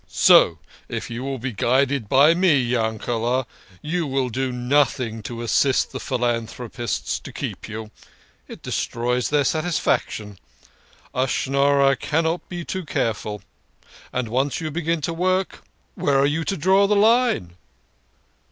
So if you will be guided by me, Yankele", you will do nothing to assist the 70 THE KING OF SCHNORRERS. philanthropists to keep you. It destroys their satisfaction. A Schnorrer cannot be too careful. And once you begin to work, where are you to draw the line